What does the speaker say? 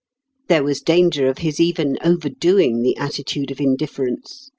There was danger of his even over doing the attitude of indifference.